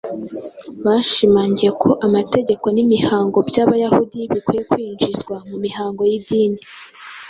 Bashimangiye ko amategeko n’imihango by’Abayahudi bikwiye kwinjizwa mu mihango y’idini